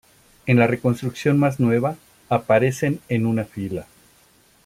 En la reconstrucción más nueva aparecen en una fila.